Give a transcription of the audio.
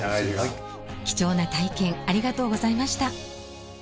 貴重な体験ありがとうございました。